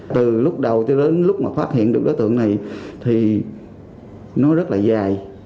từ lúc đầu tới lúc mà phát hiện được đối tượng này thì nó rất là dài